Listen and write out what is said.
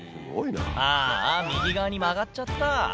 あーあ、右側に曲がっちゃった。